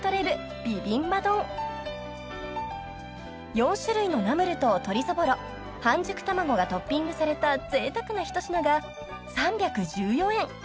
［４種類のナムルと鶏そぼろ半熟卵がトッピングされたぜいたくな一品が３１４円］